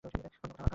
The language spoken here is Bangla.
অন্য কোনও আঘাত?